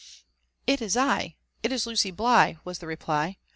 It is I — it is Lucy Bligh," was the rqply.